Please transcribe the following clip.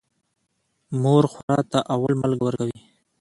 مور خواره ته اول مالګه ورکوي.